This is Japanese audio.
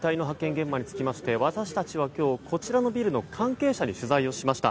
現場に着きまして、私たちは今日こちらのビルの関係者に取材をしました。